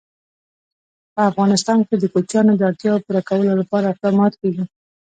په افغانستان کې د کوچیان د اړتیاوو پوره کولو لپاره اقدامات کېږي.